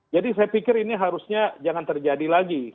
jadi saya pikir ini harusnya jangan terjadi lagi